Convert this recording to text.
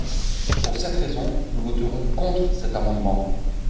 Pour cette raison, nous voterons contre cet amendement.